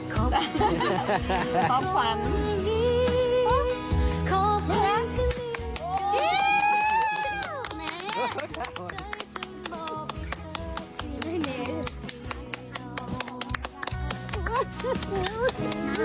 จะกินข้าวาดของเก็บเงิน